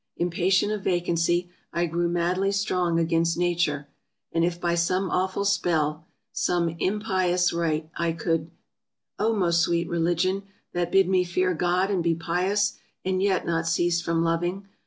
Impatient of vacancy, I grew madly strong against nature; and if by some awful spell, some impious rite, I could — Oh, most sweet religion, that bid me fear God, and be pious, and yet not cease from loving!